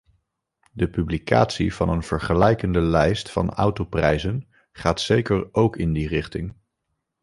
De publicatie van een vergelijkende lijst van autoprijzen gaat zeker ook in die richting.